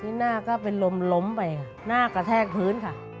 หน้าก็เป็นลมล้มไปหน้ากระแทกพื้นค่ะ